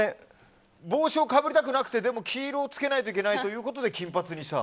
帽子をかぶりたくなくてでも黄色をつけないといけないということで金髪にした？